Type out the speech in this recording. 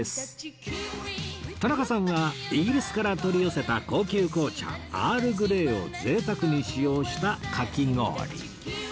田中さんはイギリスから取り寄せた高級紅茶アールグレイを贅沢に使用したかき氷